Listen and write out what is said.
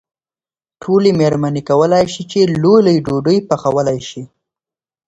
ټولې مېرمنې کولای شي لويې لويې ډوډۍ پخولی شي.